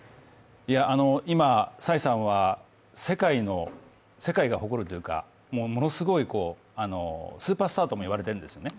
今、蔡さんは世界が誇るというかものすごいスーパースターとも言われているんですね。